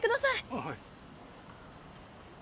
はい。